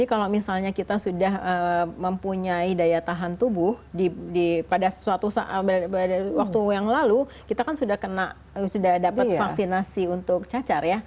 karena kita sudah mempunyai daya tahan tubuh pada suatu waktu yang lalu kita kan sudah dapat vaksinasi untuk cacar ya